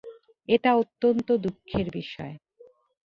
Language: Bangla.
এটা অত্যন্ত দুঃখের বিষয়।